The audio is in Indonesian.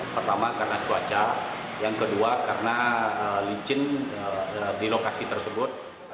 pertama karena cuaca yang kedua karena licin di lokasi tersebut